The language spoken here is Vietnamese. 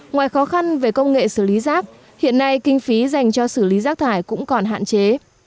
ngoài khó khăn về công nghệ xử lý rác hiện nay kinh phí dành cho xử lý rác thải cũng còn hạn chế